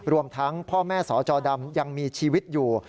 รวมทั้งพ่อแม่สจดำยังมีชีวิตอยู่